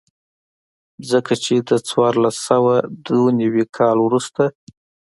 ځکه چې د څوارلس سوه دوه نوي کال وروسته.